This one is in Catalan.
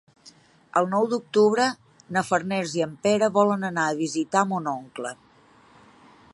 El nou d'octubre na Farners i en Pere volen anar a visitar mon oncle.